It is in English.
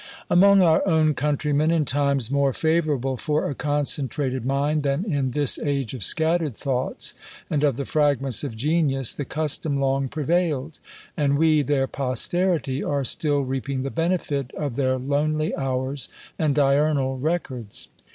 Among our own countrymen, in times more favourable for a concentrated mind than in this age of scattered thoughts and of the fragments of genius, the custom long prevailed: and we their posterity are still reaping the benefit of their lonely hours and diurnal records.